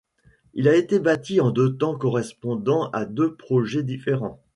Il a été bâti en deux temps correspondant à deux projets différents.